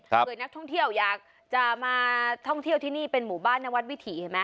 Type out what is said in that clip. โดยนักท่องเที่ยวอยากจะมาท่องเที่ยวที่นี่เป็นหมู่บ้านนวัดวิถีเห็นไหม